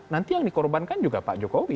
nanti yang dikorbankan juga pak jokowi